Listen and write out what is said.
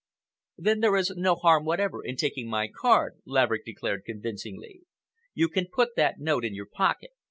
"Then there is no harm whatever in taking in my card," Laverick declared convincingly. "You can put that note in your pocket.